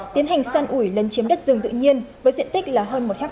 tiến hành săn ủi lân chiếm đất rừng tự nhiên với diện tích là hơn một hectare